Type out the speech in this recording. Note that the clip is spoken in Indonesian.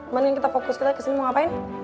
mending yang kita fokus kita kesini mau ngapain